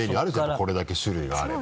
これだけ種類があれば。